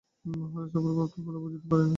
মহারাজ আমার ভাবটা ভালো বুঝিতে পারেন নাই।